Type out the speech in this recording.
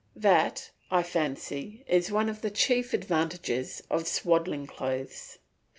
That, I fancy, is one of the chief advantages of swaddling clothes.